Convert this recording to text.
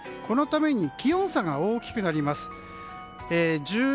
このために気温差が大きくなります。